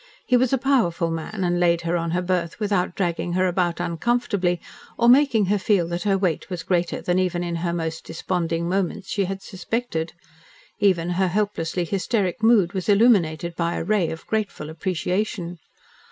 He was a powerful man, and laid her on her berth without dragging her about uncomfortably, or making her feel that her weight was greater than even in her most desponding moments she had suspected. Even her helplessly hysteric mood was illuminated by a ray of grateful appreciation.